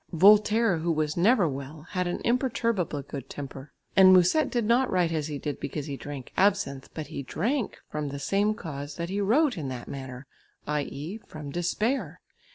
Voltaire, who was never well, had an imperturbably good temper. And Musset did not write as he did because he drank absinthe, but he drank from the same cause that he wrote in that manner, i.e. from despair.